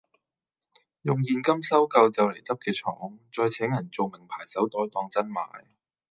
用現金收購就黎執既廠，再請人造名牌手袋當真賣